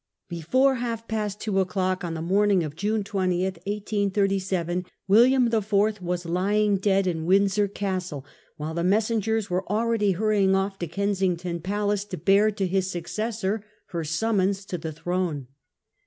Before half past two o'clock on the morning of June 20, 1837, William IV. was lying dead in Windsor Castle, while the messengers were already hurrying off to Kensington Palace to bear to his successor her summons to the throne.